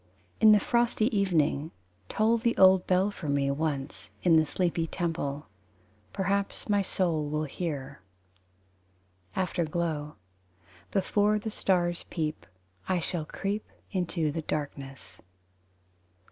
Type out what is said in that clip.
In the frosty evening Toll the old bell for me Once, in the sleepy temple. Perhaps my soul will hear. Afterglow: Before the stars peep I shall creep out into darkness.